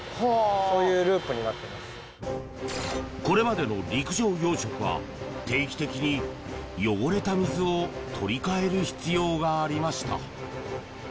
これまでの陸上養殖は定期的に、汚れた水を取り換える必要がありました。